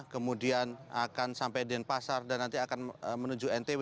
kemudian akan sampai denpasar dan nanti akan menuju ntw